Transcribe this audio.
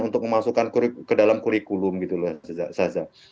untuk memasukkan ke dalam kurikulum gitu loh saza